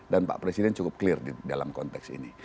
dan pak presiden cukup clear dalam konteks ini